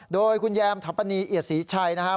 โดยคุณแยมถัปนีเอียดศรีชัยนะครับ